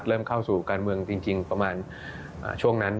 เริ่มเข้าสู่การเมืองจริงประมาณช่วงนั้น